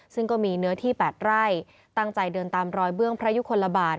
ซึ่งก็มีเนื้อที่๘ไร่ตั้งใจเดินตามรอยเบื้องพระยุคลบาท